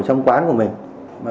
trong quán của mình